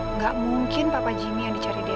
enggak mungkin papa jimmy yang dicari dia